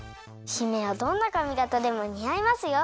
姫はどんなかみがたでもにあいますよ。